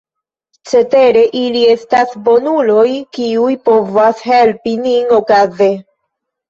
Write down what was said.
Cetere, ili estas bonuloj, kiuj povas helpi nin okaze.